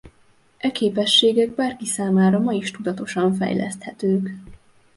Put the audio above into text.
E képességek bárki számára ma is tudatosan fejleszthetők.